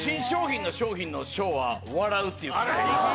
新商品の商品の商は笑うっていう字で。